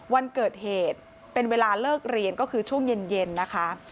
วันเกิดเหตุเป็นเวลาเลิกเรียนก็คือช่วงเย็นนะคะ